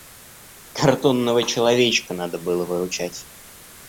Картонного человечка надо было выручать.